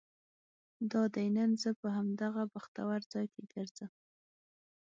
دادی نن زه په همدغه بختور ځای کې ګرځم.